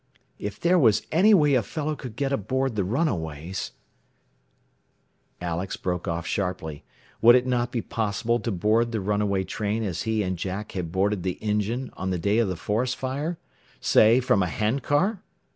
"If there was any way a fellow could get aboard the runaways " Alex broke off sharply. Would it not be possible to board the runaway train as he and Jack had boarded the engine on the day of the forest fire? Say, from a hand car?